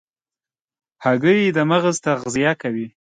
هګۍ د مغز تغذیه کوي.